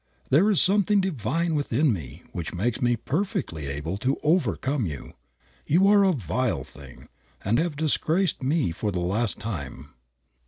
There is something divine within me which makes me perfectly able to overcome you. You are a vile thing, and have disgraced me for the last time.